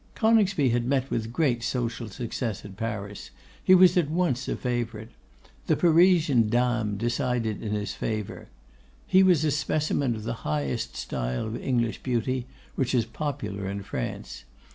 Coningsby had met with great social success at Paris. He was at once a favourite. The Parisian dames decided in his favour. He was a specimen of the highest style of English beauty, which is popular in France.